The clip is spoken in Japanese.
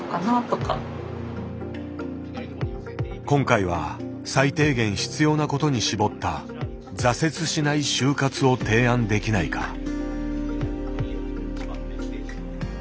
今回は最低限必要なことに絞った「挫折しない終活」を提案できないか。